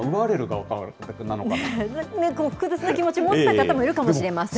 なんか複雑な気持ち、持った方もいるかもしれません。